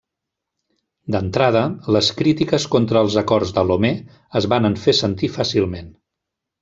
D'entrada, les crítiques contra els acords de Lomé es varen fer sentir fàcilment.